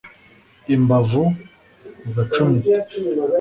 Imbavu ugacumita